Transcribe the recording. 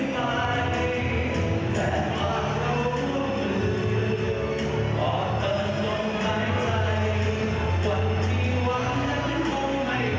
พูดก็เยอะร้องเพลงก็เยอะไง